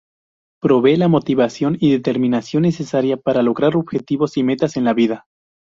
Provee la motivación y determinación necesaria para lograr objetivos y metas en la vida.